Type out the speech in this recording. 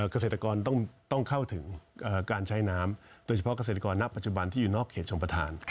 เกษตรกรต้องเข้าถึงการใช้น้ำโดยเฉพาะเกษตรกรณปัจจุบันที่อยู่นอกเขตชมประธาน